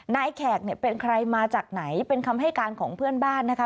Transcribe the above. แขกเนี่ยเป็นใครมาจากไหนเป็นคำให้การของเพื่อนบ้านนะคะ